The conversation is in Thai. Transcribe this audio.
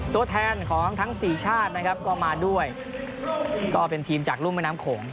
ตัวแทนของทั้งสี่ชาตินะครับก็มาด้วยก็เป็นทีมจากรุ่มแม่น้ำโขง